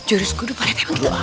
jurus kudu paling teman kita